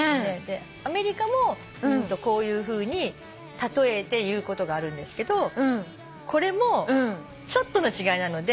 アメリカもこういうふうに例えて言うことがあるんですけどこれもちょっとの違いなので。